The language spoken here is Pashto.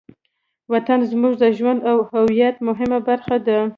وطن زموږ د ژوند او هویت مهمه برخه ده.